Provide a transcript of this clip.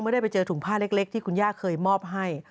ได้ไปเจอถุงผ้าเล็กที่คุณย่าเคยมอบให้